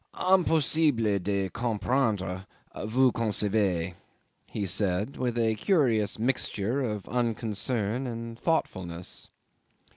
"Impossible de comprendre vous concevez," he said, with a curious mixture of unconcern and thoughtfulness.